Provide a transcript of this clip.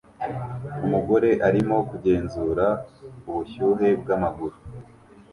Umugore arimo kugenzura ubushyuhe bw'amaguru